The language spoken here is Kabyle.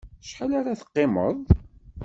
Acḥal ara teqqimeḍ?